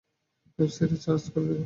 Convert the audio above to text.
ওয়েবসাইটে সার্চ করে দেখ।